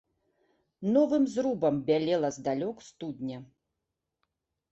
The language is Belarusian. Новым зрубам бялела здалёк студня.